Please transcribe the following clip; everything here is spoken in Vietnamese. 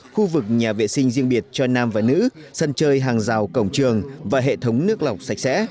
khu vực nhà vệ sinh riêng biệt cho nam và nữ sân chơi hàng rào cổng trường và hệ thống nước lọc sạch sẽ